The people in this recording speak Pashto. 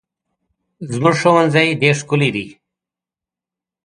زموږ ښوونځی ډېر ښکلی دی.